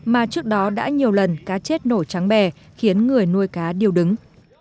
mà trước đó đã nhiều lần cá chết nổi trắng bè khiến người nuôi cá điều đứng